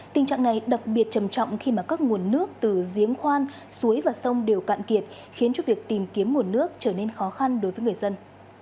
tình trạng này đặc biệt trầm trọng khi mà các nguồn nước từ giếng khoan suối và sông đều cạn kiệt khiến cho việc tìm kiếm nguồn nước trở nên khó khăn đối với người dân